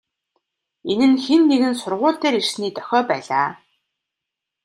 Энэ нь хэн нэгэн сургууль дээр ирсний дохио байлаа.